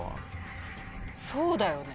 そうだよね